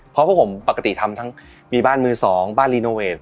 เพราะผมปกติทำทั้งมีบ้านเมาที่ส่องบ้านโรยะ